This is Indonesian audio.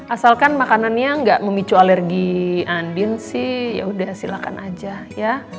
asalkan makanannya nggak memicu alergi andin sih ya udah silakan aja ya